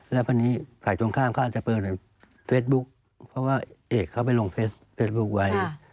แล้ววันนี้ฝ่ายตรงข้ามเขาอาจจะเปิดเฟซบุ๊คเพราะว่าเอกเขาไปลงเฟซบุ๊คไว้